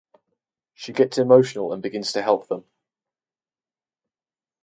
She gets emotional and begins to help them.